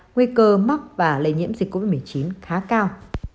nguy cơ mắc và lây nhiễm dịch covid một mươi chín khá cao